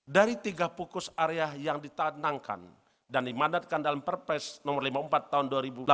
dari tiga fokus area yang ditanamkan dan dimandatkan dalam perpres nomor lima puluh empat tahun dua ribu delapan belas